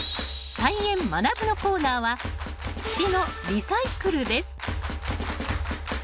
「菜園×まなぶ」のコーナーは土のリサイクルです。